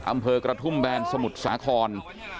อำเภอกระทุ่มแบนสมุทรสาคร